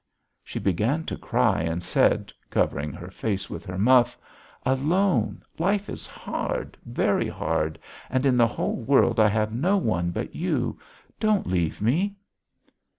She began to cry and said, covering her face with her muff: "Alone! Life is hard, very hard, and in the whole world I have no one but you. Don't leave me!"